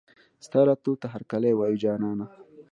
ستا راتلو ته هرکلی وايو جانانه